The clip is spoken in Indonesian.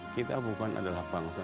kita bukan adalah bangsa